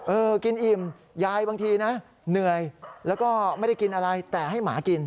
กินอิ่มยายบางทีนะเหนื่อยแล้วก็ไม่ได้กินอะไรแต่ให้หมากิน